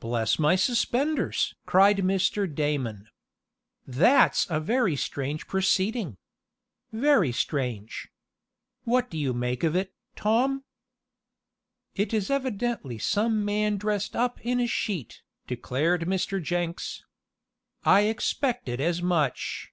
"Bless my suspenders!" cried Mr. Damon. "That's a very strange proceeding! Very strange! What do you make of it, Tom?" "It is evidently some man dressed up in a sheet," declared Mr. Jenks. "I expected as much."